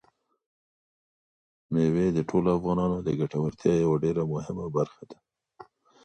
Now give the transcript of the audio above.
مېوې د ټولو افغانانو د ګټورتیا یوه ډېره مهمه برخه ده.